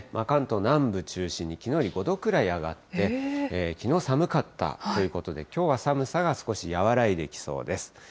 関東南部中心に、きのうより５度くらい上がって、きのう寒かったということで、きょうは寒さが少し和らいできそうです。